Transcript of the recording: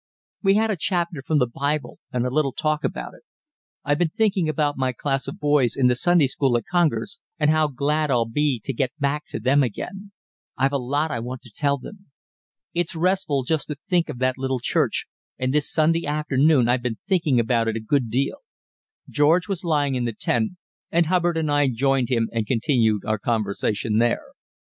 "We had a chapter from the Bible and a little talk about it. I've been thinking about my class of boys in the Sunday school at Congers, and how glad I'll be to get back to them again; I've a lot I want to tell them. It's restful just to think of that little church, and this Sunday afternoon I've been thinking about it a good deal." George was lying in the tent, and Hubbard and I joined him and continued our conversation there.